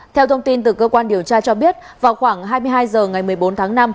theo thông tin từ cơ quan điều tra cho biết vào khoảng hai mươi hai h ngày một mươi bốn tháng năm